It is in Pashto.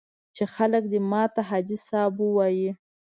چې خلک دې ماته حاجي صاحب ووایي.